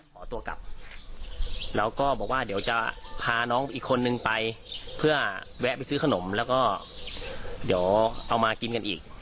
ขอตัวกลับแล้วก็บอกว่าเดี๋ยวจะพาน้องอีกคนนึงไปเพื่อแวะไปซื้อขนมแล้วก็เดี๋ยวเอามากินกันอีก